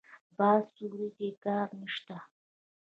بازار سوړ دی؛ کار نشته.